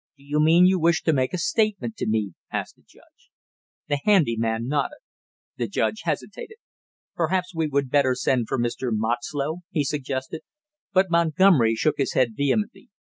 "Do you mean you wish to make a statement to me?" asked the judge. The handy man nodded. The judge hesitated. "Perhaps we would better send for Mr. Moxlow?" he suggested. But Montgomery shook his head vehemently.